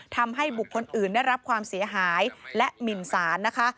ทำให้บุคคลอื่นได้รับความเสียหายและหมินสารนะคะ